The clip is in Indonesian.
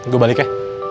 gue balik ya